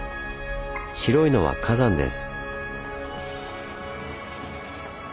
白いのは火山です。